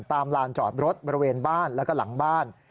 ลานจอดรถบริเวณบ้านแล้วก็หลังบ้าน